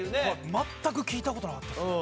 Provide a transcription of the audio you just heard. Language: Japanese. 全く聞いた事なかったですね。